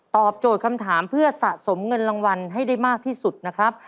โจทย์คำถามเพื่อสะสมเงินรางวัลให้ได้มากที่สุดนะครับ